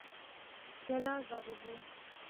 Quel âge avez-vous?